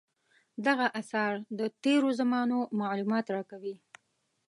دغه اثار د تېرو زمانو معلومات راکوي.